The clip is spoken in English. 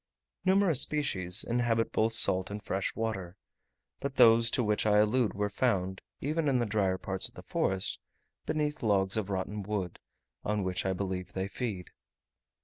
Numerous species inhabit both salt and fresh water; but those to which I allude were found, even in the drier parts of the forest, beneath logs of rotten wood, on which I believe they feed.